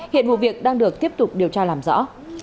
hiện vụ việc đang được tiếp tục điều tra làm rõ